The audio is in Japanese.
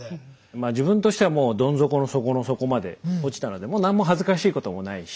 まあ自分としてはもうどん底の底の底まで落ちたのでもう何も恥ずかしいこともないし。